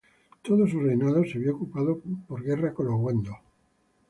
Todo su reinado se vio ocupado por guerras con los wendos.